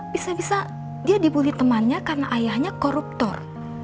bisa bisa dia dibully temannya karena ayahnya koruptor